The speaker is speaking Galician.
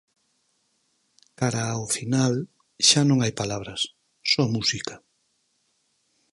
Cara ao final, xa non hai palabras: só música.